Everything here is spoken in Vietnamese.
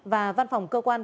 và văn phòng cơ quan